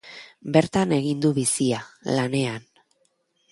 Bertan egin du bizia, lanean.